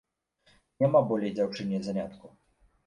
Няма болей дзяўчыне занятку.